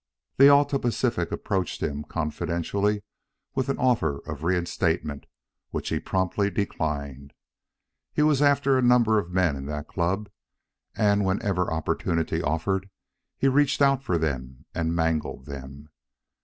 The Alta Pacific approached him confidentially with an offer of reinstatement, which he promptly declined. He was after a number of men in that club, and, whenever opportunity offered, he reached out for them and mangled them.